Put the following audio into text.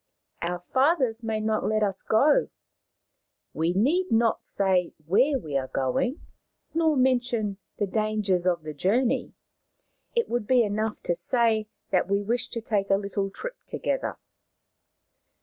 " Our fathers may not let us go." " We need not say where we are going, nor mention the dangers of the journey. It will be enough to say that we wish to take a little trip together.